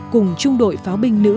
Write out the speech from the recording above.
cùng trung đội pháo binh nữ